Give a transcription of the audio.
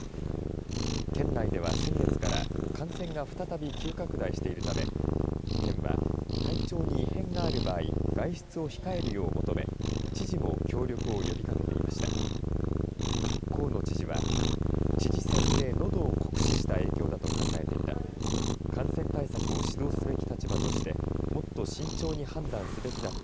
県内では先月から感染が再び急拡大しているため県は、体調に異変がある場合外出を控えるよう求め知事も協力を呼びかけていました。